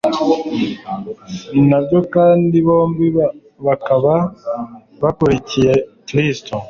nyabyo kandi bombi bakaba bakurikiye kristo